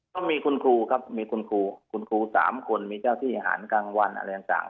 ก็มีคุณครูครับมีคุณครูคุณครู๓คนมีเจ้าที่หารกลางวันอะไรต่าง